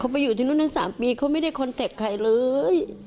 ไปอยู่ที่นู่นนั้น๓ปีเขาไม่ได้คอนเทคใครเลย